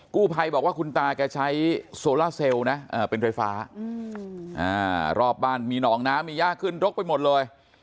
กู้ภัยบอกว่าคุณตาแกใช้โซล่าเซลล์นะเป็นไฟฟ้ารอบบ้านมีหนองน้ำมีย่าขึ้นรกไปหมดเลย